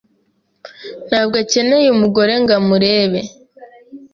Ntabwo akeneye umugore ngo amurebe.